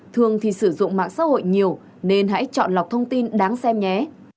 thường thì sử dụng mạng xã hội nhiều nên hãy chọn lọc thông tin đáng xem nhé